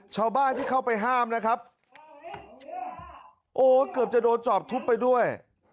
ชาวบ้านที่เข้าไปห้ามนะครับโอ้เกือบจะโดนจอบทุบไปด้วย